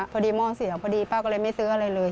พอดีม่อเสียป้าก็เลยไม่ซื้ออะไรเลย